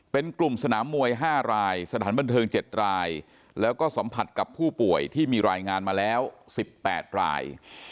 เป็นกลุ่มสนามมวย๕รายสถานบันเทิง๗รายแล้วก็สัมผัสกับผู้ป่วยที่มีรายงานมาแล้ว๑๘ราย